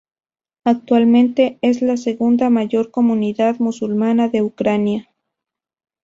Actualmente es la segunda mayor comunidad musulmana de Ucrania.